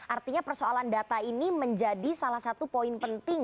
artinya persoalan data ini menjadi salah satu poin penting